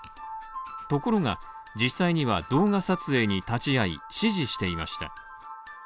ところが、実際には動画撮影に立ち合い、指示していました。